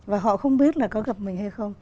và họ không biết là có gặp mình hay không